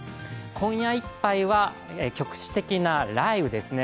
今夜いっぱいは局地的な雷雨ですね。